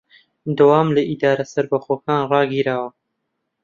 دەوام لە ئیدارە سەربەخۆکان ڕاگیراوە